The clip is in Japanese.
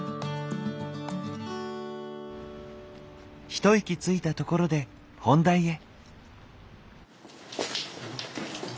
一息ついたところで本題へ。